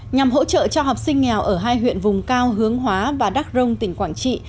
nhằm hỗ trợ cho học sinh nghèo ở hai huyện vùng cao hướng hóa và đắk rông tỉnh quảng trị